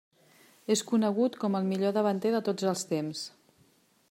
És conegut com el millor davanter de tots el temps.